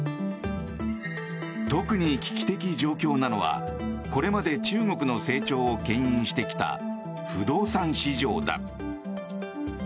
特に危機的状況なのはこれまで中国の成長をけん引してきた不動産市場だ。